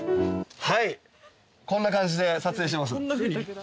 はいこんな感じで撮影してます。